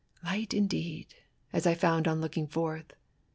Light indeed ! as I found on looking forth.